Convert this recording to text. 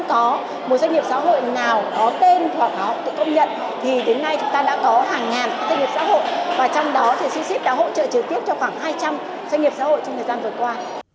và trong đó thì csr đã hỗ trợ trực tiếp cho khoảng hai trăm linh doanh nghiệp xã hội trong thời gian vừa qua